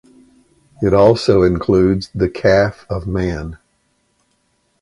It also includes the Calf of Man.